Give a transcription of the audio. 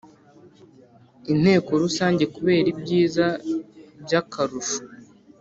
Inteko Rusange kubera ibyiza by akarusho